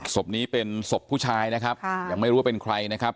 ศพนี้เป็นศพผู้ชายนะครับยังไม่รู้ว่าเป็นใครนะครับ